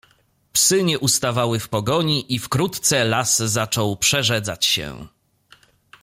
"Psy nie ustawały w pogoni i wkrótce las zaczął przerzedzać się."